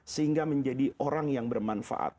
sehingga menjadi orang yang bermanfaat